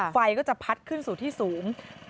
ไฟก็จะพัดขึ้นสู่ที่สูง